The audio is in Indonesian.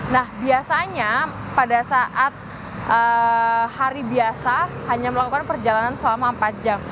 nah biasanya pada saat hari biasa hanya melakukan perjalanan selama empat jam